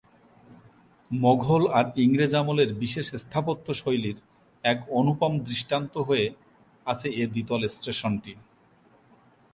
মোঘল আর ইংরেজ আমলের বিশেষ স্থাপত্য শৈলীর এক অনুপম দৃষ্টান্ত হয়ে আছে এ দ্বিতল স্টেশনটি।